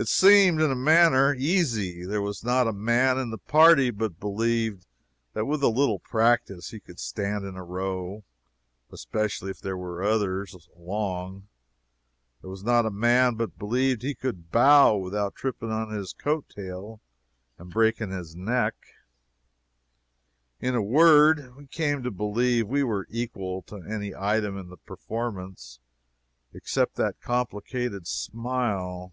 It seemed, in a manner, easy. There was not a man in the party but believed that with a little practice he could stand in a row, especially if there were others along; there was not a man but believed he could bow without tripping on his coat tail and breaking his neck; in a word, we came to believe we were equal to any item in the performance except that complicated smile.